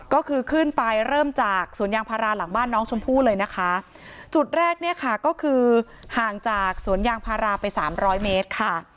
ก็คือขึ้นไปเริ่มจากสวนยางพาราหลังบ้านน้องชมพู่เลยนะคะจุดแรกเนี่ยค่ะก็คือห่างจากสวนยางพาราไปสามร้อยเมตรค่ะ